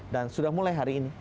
dan sudah mulai hari ini